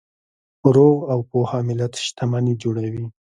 روغ او پوهه ملت شتمني جوړوي.